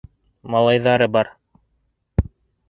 Малайҙары бар.